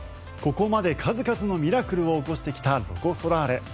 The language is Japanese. ここまで数々のミラクルを起こしてきたロコ・ソラーレ。